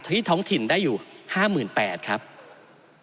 ที่เราจะต้องลดความเหลื่อมล้ำโดยการแก้ปัญหาเชิงโครงสร้างของงบประมาณ